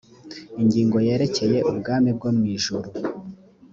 ingingo yerekeye ubwami bwo mu ijuru